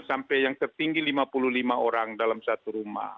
sampai yang tertinggi lima puluh lima orang dalam satu rumah